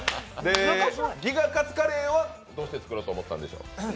ギガかつカレーはどうして作ろうと思ったんでしょう？